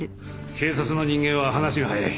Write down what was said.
警察の人間は話が早い。